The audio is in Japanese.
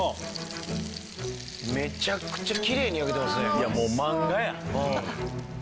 めちゃくちゃきれいに焼けてますね。